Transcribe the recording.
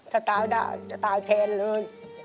ถ้าตายได้จะตายแทนเลย